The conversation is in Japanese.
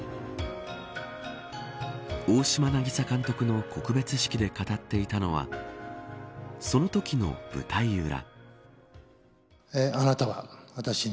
大島渚監督の告別式で語っていたのはそのときの舞台裏。